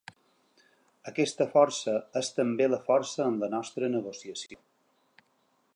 Aquesta força és també la força en la nostra negociació.